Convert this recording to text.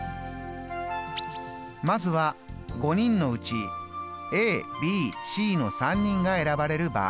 まずは５人のうちＡＢＣの３人が選ばれる場合。